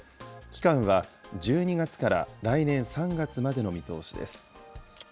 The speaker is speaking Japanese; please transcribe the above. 期間は１２月から来年３月までの見通しです。